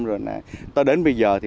rồi nè tới đến bây giờ thì